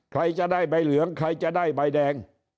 ใครจะได้ใบเหลืองใครจะได้ใบแดง